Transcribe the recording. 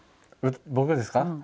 僕ですか？